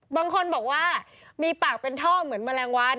บางคนบอกว่ามีปากเป็นท่อเหมือนแมลงวัน